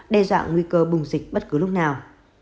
đe dọa nguy cơ bùng dịch bất cứ lúc nào